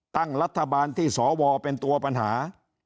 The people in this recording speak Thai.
ตั้งรัฐบาลที่สวเป็นตัวปัญหา